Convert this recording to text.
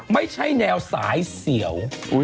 ไม่ใช่แนวสายเสียว